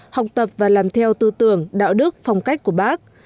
học tập và làm theo tư tưởng đạo đức phong cách của bác